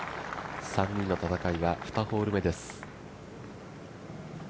３人の戦いは２ホール目です。